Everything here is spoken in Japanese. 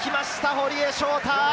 堀江翔太。